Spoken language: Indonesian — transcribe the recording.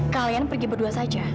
kalian pergi berdua saja